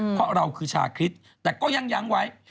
เพราะเราคือชาคริสแต่ก็ยังยั้งไว้